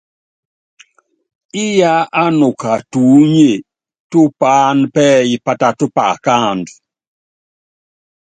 Íyá ánuka tuúnye tú paán pɛ́ɛ́y pátát paakándɔ́.